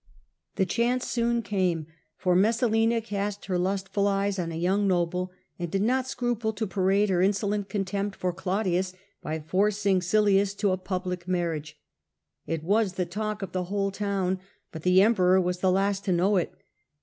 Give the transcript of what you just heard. The chance soon came, for Messalina cast and causes lustful cyes on a young noble, and did not public scruple to parade her insolent contempt for man^dlig^ Claudius by forcing Silius to a public marriage. Siiuis. ^^1]^ Qf ^he whole town, but the Emperor was the last to know it.